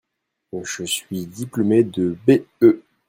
Je suis diplomé de B.E.